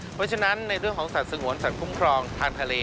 เพราะฉะนั้นในเรื่องของสัตว์สงวนสัตว์คุ้มครองทางทะเล